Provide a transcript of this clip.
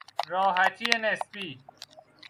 راحتی نسبی